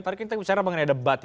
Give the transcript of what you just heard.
tadi kita bicara mengenai debat